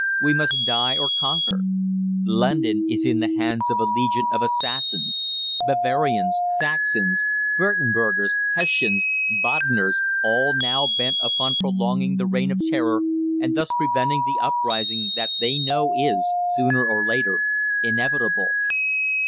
We must die, or conquer. London is in the hands of a legion of assassins Bavarians, Saxons, Würtembergers, Hessians, Badeners all now bent upon prolonging the reign of terror, and thus preventing the uprising that they know is, sooner or later, inevitable.